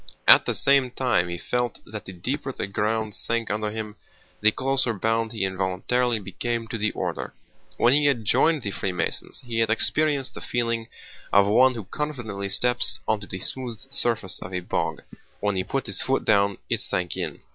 At the same time he felt that the deeper the ground sank under him the closer bound he involuntarily became to the order. When he had joined the Freemasons he had experienced the feeling of one who confidently steps onto the smooth surface of a bog. When he put his foot down it sank in.